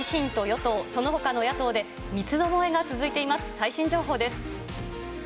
最新情報です。